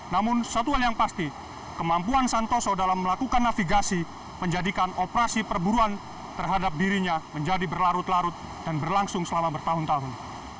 namun satu hal yang pasti kemampuan santoso dalam melakukan navigasi menjadikan operasi perburuan terhadap dirinya menjadi berlarut larut dan berlangsung selama bertahun tahun